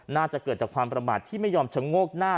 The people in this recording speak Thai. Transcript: น่าจะเกิดจากความประมาทที่ไม่ยอมชะโงกหน้า